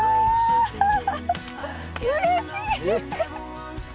うれしい！